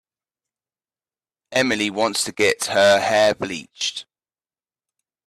Emily wants to get her hair bleached.